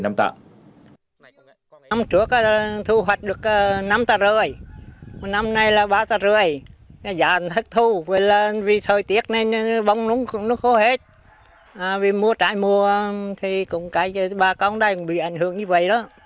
năm trước thu hoạch được năm tạ rưỡi năm nay là ba tạ rưỡi giá thấp thu vì thời tiết nên bông nó khô hết vì mùa trái mùa thì bà con đây cũng bị ảnh hưởng như vậy đó